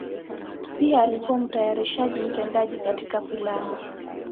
Pia alikuwa mtayarishaji mtendaji katika filamu.